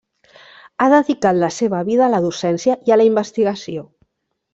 Ha dedicat la seva vida a la docència i a la investigació.